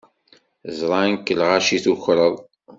Zṛan-k lɣaci tukreḍ.